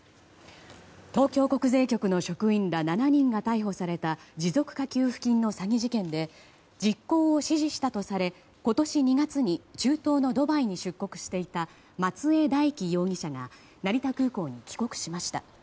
東京国税局の職員ら７人が逮捕された持続化給付金の詐欺事件で実行を指示したとされ今年２月に中東のドバイに出国していた松江大樹容疑者が成田空港に帰国しました。